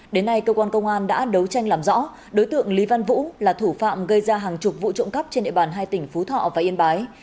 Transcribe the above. đến nay cơ quan công an đã đấu tranh làm rõ đối tượng lý văn vũ là thủ phạm gây ra hàng chục vụ trộm cắp trên địa bàn hai tỉnh phú thọ và yên bái